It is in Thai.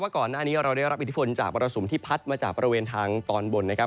ก่อนหน้านี้เราได้รับอิทธิพลจากมรสุมที่พัดมาจากบริเวณทางตอนบนนะครับ